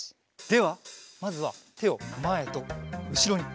ではまずはてをまえとうしろに。